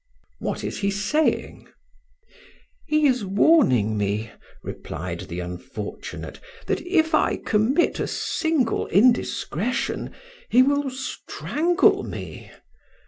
"What is he saying?" "He is warning me," replied the unfortunate, "that if I commit a single indiscretion he will strangle me.